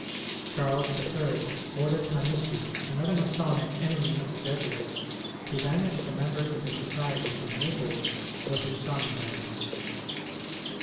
Charles III. ordered Panucci, another Masonic enemy of the Jesuits, to banish the members of the society from Nai^les, where his son reigned.